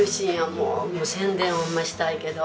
もう宣伝をホンマしたいけど。